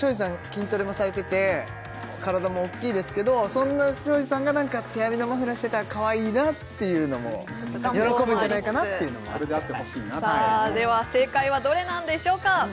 筋トレもされてて体も大きいですけどそんな庄司さんが何か手編みのマフラーしてたらかわいいなっていうのも喜ぶんじゃないかなっていうのもこれであってほしいなとでは正解はどれなんでしょうか？